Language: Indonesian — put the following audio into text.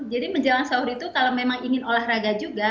jadi menjelang sahur itu kalau memang ingin olahraga juga